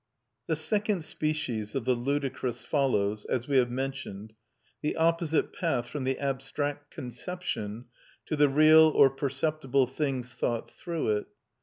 The second species of the ludicrous follows, as we have mentioned, the opposite path from the abstract conception to the real or perceptible things thought through it.